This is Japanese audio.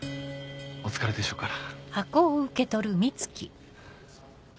お疲れでしょうから。